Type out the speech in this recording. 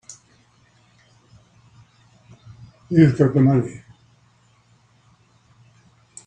You've got the money.